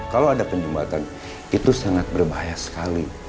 kalau ada penyumbatan itu sangat berbahaya sekali